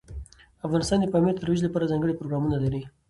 افغانستان د پامیر د ترویج لپاره ځانګړي پروګرامونه لري.